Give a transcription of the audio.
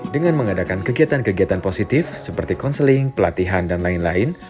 dengan mengadakan kegiatan kegiatan positif seperti konseling pelatihan dan lain lain